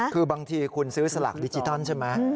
คือบางทีคุณซื้อสลากดิจิทัลใช่ไหม